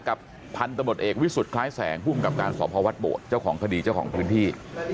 กับพันธุ์ตำรวจเอกวิสุทธิ์คล้ายแสงภูมิกับการสอบพระวัดโบสถ์เจ้าของคดีเจ้าของพื้นที่